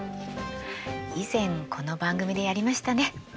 以前この番組でやりましたね。